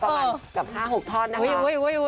ประมาณ๕๖ท่อนนะครับ